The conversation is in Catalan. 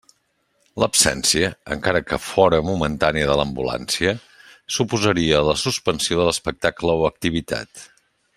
L'absència, encara que fóra momentània de l'ambulància, suposaria la suspensió de l'espectacle o activitat.